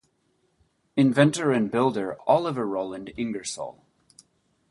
Inventor and Builder Oliver Roland Ingersoll.